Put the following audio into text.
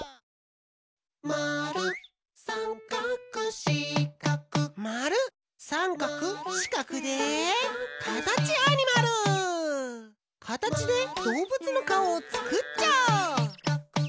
「まるさんかくしかく」まるさんかくしかくでカタチでどうぶつのかおをつくっちゃおう！